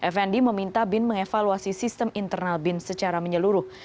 fnd meminta bin mengevaluasi sistem internal bin secara menyeluruh